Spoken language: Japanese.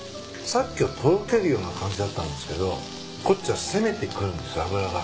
さっきはとろけるような感じだったんですけどこっちは攻めてくるんです脂が。